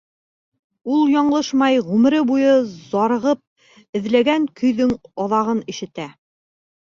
Ул яңылышмай, ғүмере буйы зарығып эҙләгән көйҙөң аҙағын ишетә.